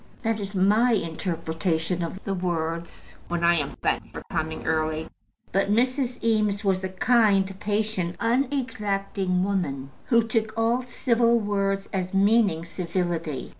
That is my interpretation of the words when I am thanked for coming early. But Mrs. Eames was a kind, patient, unexacting woman, who took all civil words as meaning civility.